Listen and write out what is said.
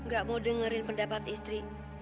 gak mau dengerin pendapat istri